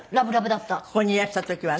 ここにいらした時はね。